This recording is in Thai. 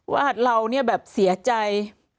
ว่าเราเนี่ยแบบเสียใจ